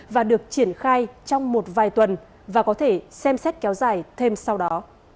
và được triển khai trong một vài tuần và có thể xem xét kéo dài thêm sau đó